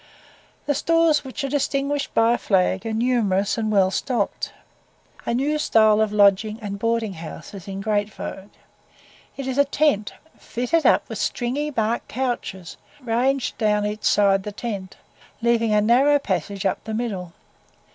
The stores, which are distinguished by a flag, are numerous and well stocked. A new style of lodging and boarding house is in great vogue. It is a tent fitted up with stringy bark couches, ranged down each side the tent, leaving a narrow passage up the middle.